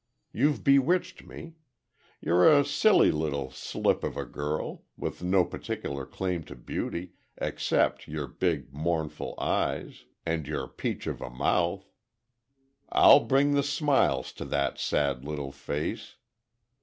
You've bewitched me. You, a silly little slip of a girl, with no particular claim to beauty, except your big, mournful eyes, and your peach of a mouth! I'll bring the smiles to that sad little face.